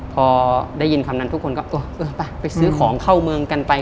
พอได้ยินคำนั้นทุกคนก็เออไปไปซื้อของเข้าเมืองกันไป